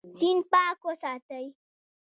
سیند پاک وساتئ.